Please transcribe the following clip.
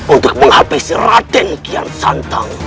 untuk menghabis raden kian santang